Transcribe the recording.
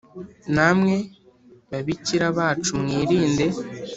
namwe babikira bacu mwirinde